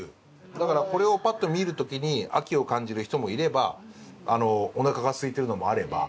だからこれをパッと見る時に秋を感じる人もいればおなかがすいてるのもあれば。